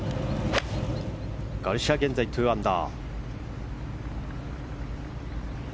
ガルシア、現在２アンダー。